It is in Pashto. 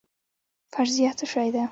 فرضیه څه شی دی؟